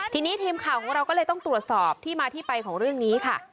ทีนี้ทีมข่าวของเราก็เลยต้องตรวจสอบที่มาที่ไปของเรื่องนี้ค่ะ